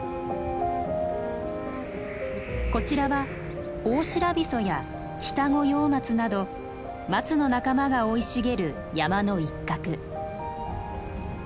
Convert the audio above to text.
こちらはオオシラビソやキタゴヨウマツなどマツの仲間が生い茂る山の一角。